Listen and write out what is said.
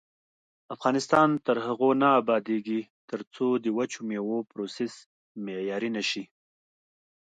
افغانستان تر هغو نه ابادیږي، ترڅو د وچو میوو پروسس معیاري نشي.